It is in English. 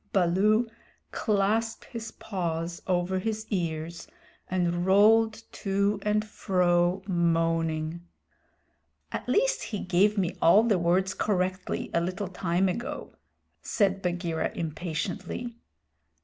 Baloo clasped his paws over his ears and rolled to and fro moaning. "At least he gave me all the Words correctly a little time ago," said Bagheera impatiently.